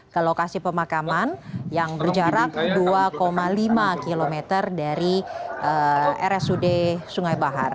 ke lokasi pemakaman yang berjarak dua lima km dari rsud sungai bahar